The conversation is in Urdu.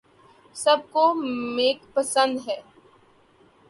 سب کو میک پسند ہیں